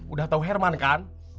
udah tau herman kan